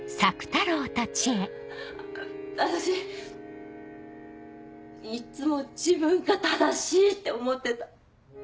私いっつも自分が正しいって思ってた。